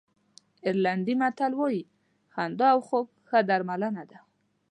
آیرلېنډي متل وایي خندا او خوب ښه درملنه ده.